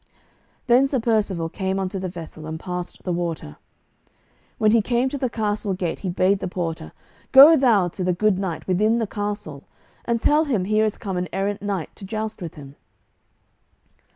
Then Sir Percivale came unto the vessel, and passed the water. When he came to the castle gate, he bade the porter, "Go thou to the good knight within the castle, and tell him here is come an errant knight to joust with him."